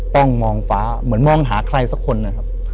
กล้องมองฟ้าเหมือนมองหาใครสักคนนะครับ